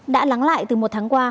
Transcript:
đã lắng lại từ một tháng qua